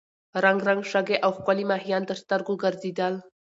رنګارنګ شګې او ښکلي ماهیان تر سترګو ګرځېدل.